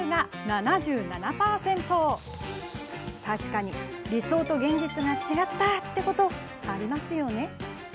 確かに、理想と現実が違ったってこと、ありますよね。